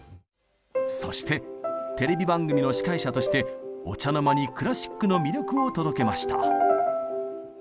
そしてテレビ番組の司会者としてお茶の間にクラシックの魅力を届けました。